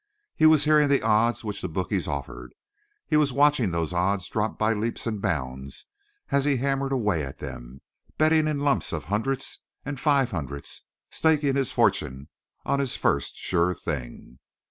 He was hearing the odds which the bookies offered; he was watching those odds drop by leaps and bounds as he hammered away at them, betting in lumps of hundreds and five hundreds, staking his fortune on his first "sure thing."